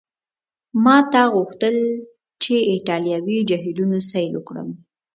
ما تل غوښتل چي د ایټالوي جهیلونو سیل وکړم.